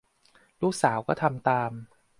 ลูกสาวก็ทำตาม